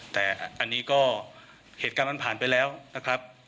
แต่อันนี้ก็เหตุการณ์มันผ่านไปแล้วนะครับ